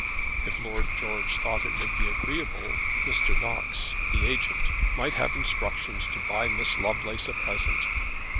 If Lord George thought it would be agreeable, Mr. Knox, the agent, might have instructions to buy Miss Lovelace a present.